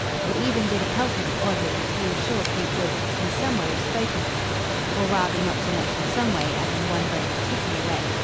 It even didn't help him, oddly, that he was sure Kate would in some way have spoken for him or rather not so much in some way as in one very particular way.